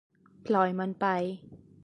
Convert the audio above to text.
ปล่อยมันไป